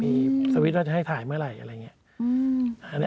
มีสวิตช์ว่าจะให้ถ่ายเมื่อไหร่อะไรอย่างนี้